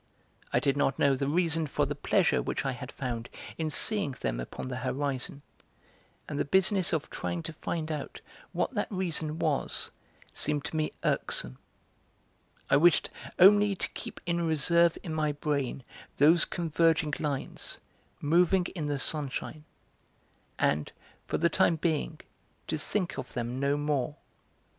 I did not know the reason for the pleasure which I had found in seeing them upon the horizon, and the business of trying to find out what that reason was seemed to me irksome; I wished only to keep in reserve in my brain those converging lines, moving in the sunshine, and, for the time being, to think of them no more.